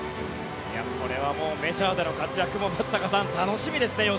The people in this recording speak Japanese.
これはもうメジャーでの活躍も松坂さん、楽しみですね。